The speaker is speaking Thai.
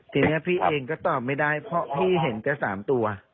ทีนี้พี่เองก็ตอบไม่ได้เพราะพี่เห็นแค่๓ตัว